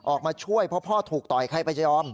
ออกมาช่วยเพราะพ่อถูกต่อยใครไปยอม